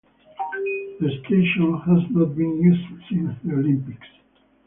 The station has not been used since the Olympics.